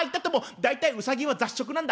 大体ウサギは雑食なんだ。